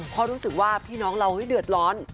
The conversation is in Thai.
เพราะรู้สึกว่าพี่น้องเราเดือดร้อน